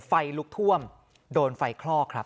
ไฟลุกท่วมโดนไฟคลอกครับ